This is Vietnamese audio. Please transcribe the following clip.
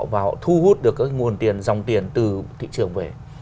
và họ thu hút được các nguồn tiền dòng tiền từ thị trường về